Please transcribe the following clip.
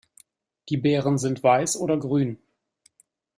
Die Beeren sind weiß oder grün.